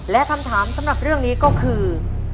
และคำถามสำหรับเรื่องนี้ก็คือ